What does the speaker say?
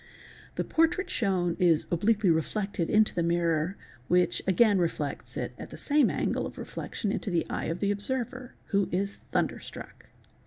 The — portrait shown is obliquely reflected into the mirror which again reflects — it at the same angle of reflection into the eye of the observer—who is thunderstruck.